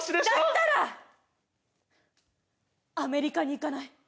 だったらアメリカに行かない？